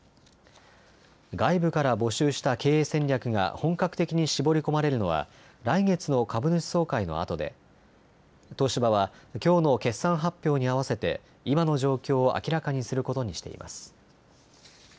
外部から募集した経営戦略が本格的に絞り込まれるのは来月の株主総会のあとで東芝はきょうの決算発表に合わせて今の状況を明らかにすることにしています。